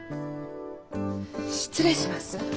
失礼します。